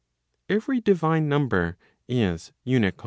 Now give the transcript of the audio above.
Every divine number is unical.